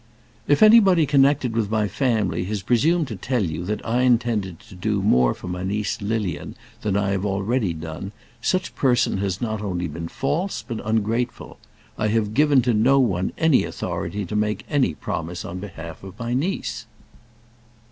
"If anybody connected with my family has presumed to tell you that I intended to do more for my niece Lilian than I have already done, such person has not only been false, but ungrateful. I have given to no one any authority to make any promise on behalf of my niece."